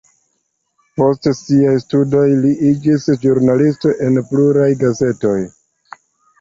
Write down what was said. Post siaj studoj li iĝis ĵurnalisto en pluraj gazetoj.